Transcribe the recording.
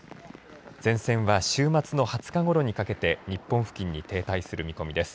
前線は週末の２０日ごろにかけて日本付近に停滞する見込みです。